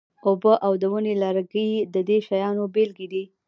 اوبه او د ونې لرګي د دې شیانو بیلګې دي.